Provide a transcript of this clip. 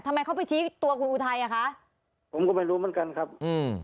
ทำไมเขาไปชี้ตัวคุณอุทัยอ่ะคะผมก็ไม่รู้เหมือนกันครับอืม